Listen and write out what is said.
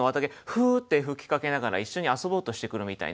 フーッて吹きかけながら一緒に遊ぼうとしてくるみたいな